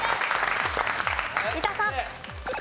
三田さん。